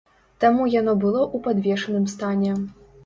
Таму яно было ў падвешаным стане.